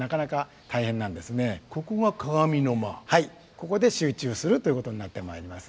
ここで集中するということになってまいります。